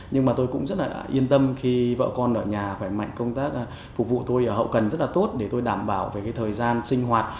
nhưng mà tôi cũng rất là yên tâm khi vợ con ở nhà phải mạnh công tác phục vụ tôi ở hậu cần rất là tốt để tôi đảm bảo về cái thời gian sinh hoạt